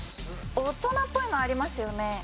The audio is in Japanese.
大人っぽいのありますよね。